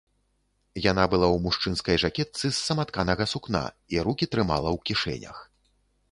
Яна была ў мужчынскай жакетцы з саматканага сукна і рукі трымала ў кішэнях.